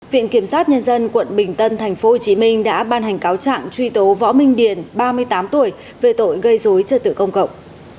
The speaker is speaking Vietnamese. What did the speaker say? viện kiểm sát nhân dân quận bình tân tp hcm đã ban hành cáo trạng truy tố võ minh điền ba mươi tám tuổi về tội gây dối trật tự công cộng